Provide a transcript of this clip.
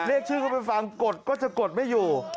เรียกชื่อก็ไม่ฟังกดก็จะกดไม่อยู่